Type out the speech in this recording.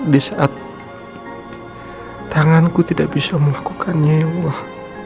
di saat tanganku tidak bisa melakukannya ya wah